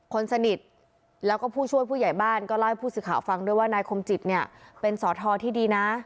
คนสนิทแล้วก็ผู้ช่วยผู้ใหญ่บ้านก็เล่าให้ผู้สื่อข่าวฟังด้วยว่านายคมจิตเนี่ยเป็นสอทอที่ดีนะ